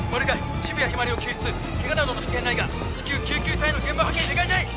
渋谷日葵を救出ケガなどの所見ないが至急救急隊員の現場派遣願いたい！